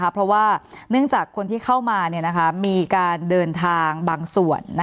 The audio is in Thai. เพราะว่าเนื่องจากคนที่เข้ามามีการเดินทางบางส่วน